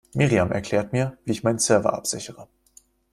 Miriam erklärt mir, wie ich meinen Server absichere.